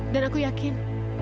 dan aku yakin